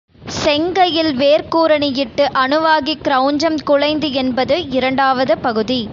செங்கையில்வேற் கூரணி யிட்டு அணு வாகிக் கிரெளஞ்சம் குலைந்து என்பது இரண்டாவது பகுதி.